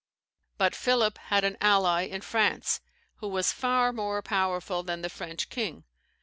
] But Philip had an ally in France, who was far more powerful than the French king.